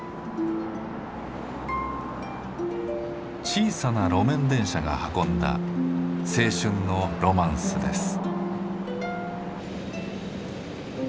小さな路面電車が運んだ青春のロマンスです。